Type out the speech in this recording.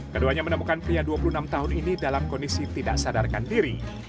keduanya menemukan pria dua puluh enam tahun ini dalam kondisi tidak sadarkan diri